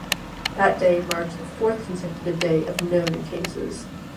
That day marked the fourth consecutive day of no new cases.